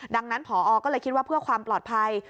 ดังนั้นผอก็เลยคิดว่าเพื่อความปลอดภัย